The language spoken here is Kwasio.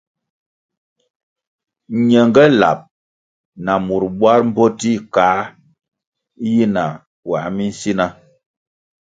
Ñenge lab na mur bwar mboti kā yi na puā minsina.